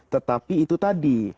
tetapi itu tadi